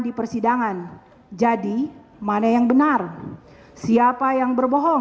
di persidangan jadi mana yang benar siapa yang berbohong